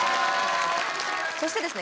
そしてですね